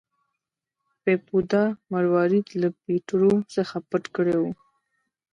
بیپو دا مروارید له پیټرو څخه پټ کړی و.